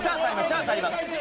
チャンスあります。